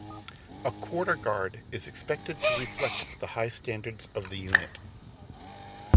A Quarter Guard is expected to reflect the high standards of the unit.